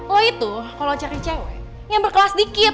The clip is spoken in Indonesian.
lo itu kalo cari cewek yang berkelas dikit